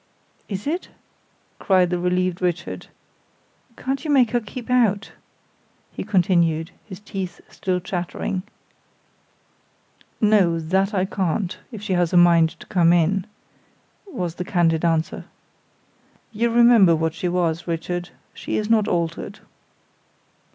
"Is it?" cried the relieved Richard. "Can't you make her keep out?" he continued, his teeth still chattering. "No, that I can't, if she has a mind to come in," was the candid answer. "You remember what she was, Richard; she is not altered."